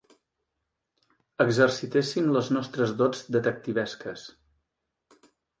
Exercitéssim les nostres dots detectivesques.